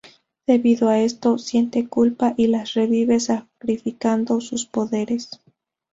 Debido a esto siente culpa y las revive sacrificando sus poderes.